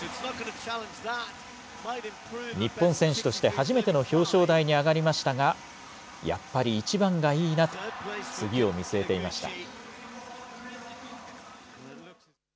日本選手として初めての表彰台に上がりましたが、やっぱり１番がいいなと、次を見据えていました。